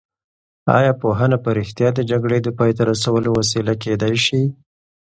ایا پوهنه په رښتیا د جګړې د پای ته رسولو وسیله کېدای شي؟